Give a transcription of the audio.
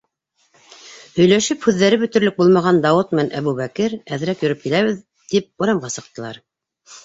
Һөйләшеп һүҙҙәре бөтөрлөк булмаған Дауыт менән Әбүбәкер, әҙерәк йөрөп киләбеҙ тип, урамға сыҡтылар.